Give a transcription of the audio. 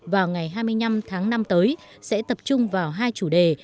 vào ngày hai mươi năm tháng năm tới sẽ tập trung vào hai chủ đề